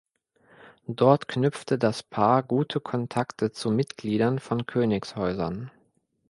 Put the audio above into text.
Dort knüpfte das Paar gute Kontakte zu Mitgliedern von Königshäusern.